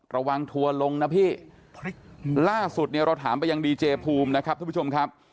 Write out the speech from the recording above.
ระวังทัวร์ลงนะพี่ล่าสุดเนี่ยเราถามไปยังดีเจภูมินะครับทุกผู้ชมครับ